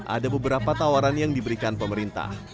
ada beberapa tawaran yang diberikan pemerintah